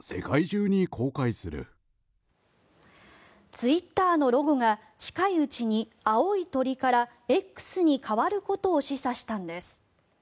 ツイッターのロゴが近いうちに青い鳥からＸに変わることを示唆したのです。